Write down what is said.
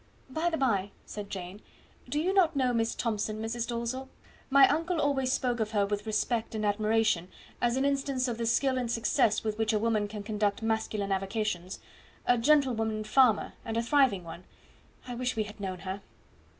"By the by," said Jane, "do you not know Miss Thomson, Mrs. Dalzell? My uncle always spoke of her with respect and admiration, as an instance of the skill and success with which a woman can conduct masculine avocations. A gentlewoman farmer, and a thriving one. I wish we had known her."